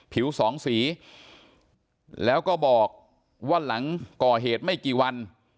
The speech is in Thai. ผิวสองสีแล้วก็บอกว่าหลังก่อเหตุไม่กี่วัน